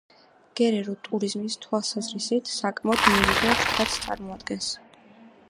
გერერო ტურიზმის თვალსაზრისით საკმაოდ მიმზიდველ შტატს წარმოადგენს.